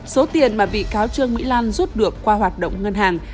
số tiền mà bị cáo trương mỹ lan rút được qua hoạt động ngân hàng